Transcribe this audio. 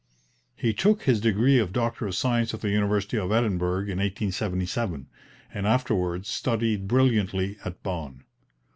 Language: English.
He took his degree of Doctor of Science at the University of Edinburgh in 1877, and afterwards studied brilliantly at Bonn.